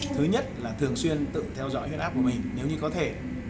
thứ nhất là thường xuyên tự theo dõi huyết áp của mình nếu như có thể